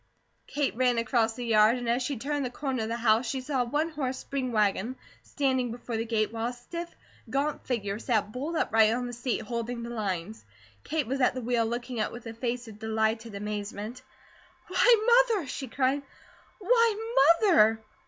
Kate ran across the yard and as she turned the corner of the house she saw a one horse spring wagon standing before the gate, while a stiff, gaunt figure sat bolt upright on the seat, holding the lines. Kate was at the wheel looking up with a face of delighted amazement. "Why, Mother!" she cried. "Why, Mother!"